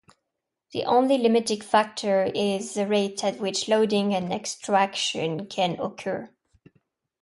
The only limiting factor is the rate at which loading and extraction can occur.